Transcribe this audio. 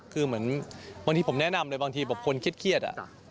คือเหมือนบางทีผมแนะนำเลยบางทีแบบคนเครียด